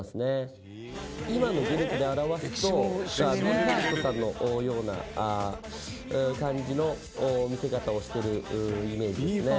今のグループで表すとＢＥ：ＦＩＲＳＴさんのような感じの見せ方をしてるイメージですね。